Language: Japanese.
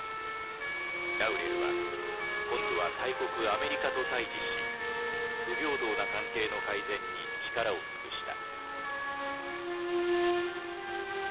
ラウレルは今度は大国アメリカと対峙し不平等な関係の改善に力を尽くした。